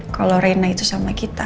kalau rena itu sama kita